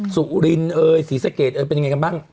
สูรินสีสะเกียจเป็นยังไงกันบ้าง